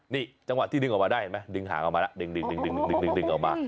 นี่จังหวะที่ดึงออกมาได้เห็นไหมดึงหางออกมาแล้วดึงออกมา